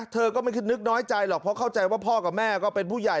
เธอก็ไม่คิดนึกน้อยใจหรอกเพราะเข้าใจว่าพ่อกับแม่ก็เป็นผู้ใหญ่